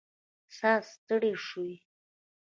ساه ستړې شوې